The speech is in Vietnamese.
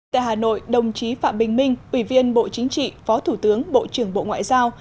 tại hà nội đồng chí phạm bình minh ủy viên bộ chính trị phó thủ tướng bộ trưởng bộ ngoại giao